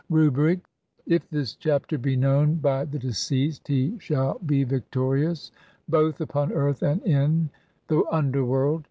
Rubric : if this chapter be known [by the deceased] he shall BE VICTORIOUS BOTH UPON EARTH AND IN (5i) THE UNDERWORLD.